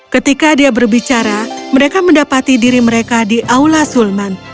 ketika dia berbicara mereka mendapati diri mereka di aula sulman